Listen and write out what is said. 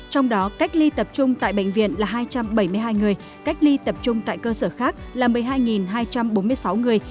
trong đó cách ly tập trung tại bệnh viện là hai trăm bảy mươi hai người cách ly tập trung tại cơ sở khác là một mươi hai hai trăm bốn mươi sáu người